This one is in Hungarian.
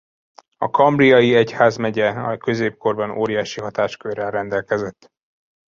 A cambrai-i egyházmegye a középkorban óriási hatáskörrel rendelkezett.